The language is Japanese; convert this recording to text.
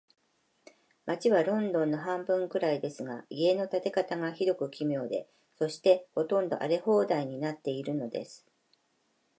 街はロンドンの半分くらいですが、家の建て方が、ひどく奇妙で、そして、ほとんど荒れ放題になっているのです。